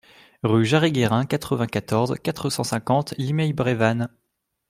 Rue Jarry Guérin, quatre-vingt-quatorze, quatre cent cinquante Limeil-Brévannes